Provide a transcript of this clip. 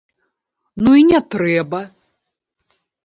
Ну і не трэба!